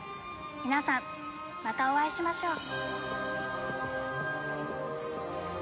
皆さんまたお会いしましょう。